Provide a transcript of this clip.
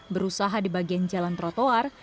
berusaha di bagian jalan trotoar